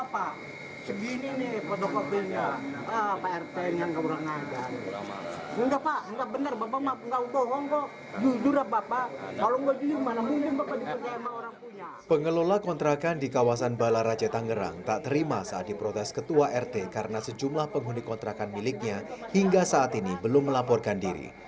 pengelola kontrakan di kawasan balar raja tangerang tak terima saat diprotes ketua rt karena sejumlah penghuni kontrakan miliknya hingga saat ini belum melaporkan diri